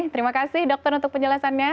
terima kasih dokter untuk penjelasannya